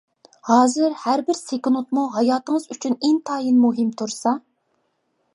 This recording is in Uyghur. ھازىر ھەر بىر سېكۇنتمۇ ھاياتىڭىز ئۈچۈن ئىنتايىن مۇھىم تۇرسا.